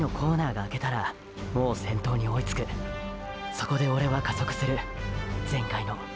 そこでオレは加速する全開の。